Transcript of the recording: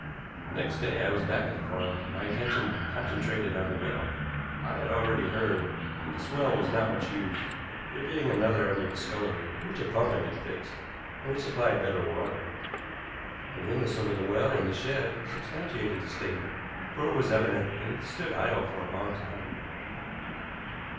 Next day I was back at the farm, my attention concentrated on the well. I had already heard that this well was not much used, there being another under the scullery, to which a pump had been fixed, and which supplied better water. The windlass over the well in the shed substantiated this statement, for it was evident that it had stood idle for a long time.